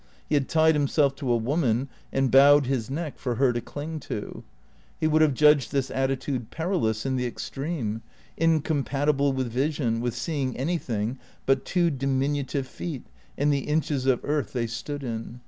He had tied himself to a woman and bowed his neck for her to cling to. He would have judged this attitude perilous in the extreme, incompatible with vision, with seeing anything but two diminutive feet and the inches of earth they stood in.